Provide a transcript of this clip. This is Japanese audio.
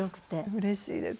うれしいです。